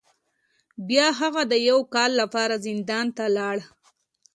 بیا هغه د یو کال لپاره زندان ته لاړ.